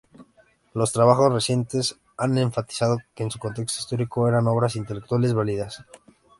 Los trabajos recientes han enfatizado que en su contexto histórico eran obras intelectualmente válidas.